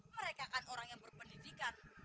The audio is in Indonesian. mereka kan orang yang berpendidikan